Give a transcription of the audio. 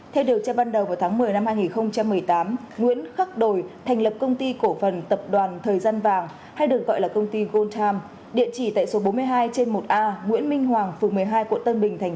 theo điều tra ban đầu vào tháng một mươi năm hai nghìn một mươi tám nguyễn khắc đồi thành lập công ty cổ phần tập đoàn thời gian vàng hay được gọi là công ty gold time địa chỉ tại số bốn mươi hai trên một a nguyễn minh hoàng phường một mươi hai quận tân bình tp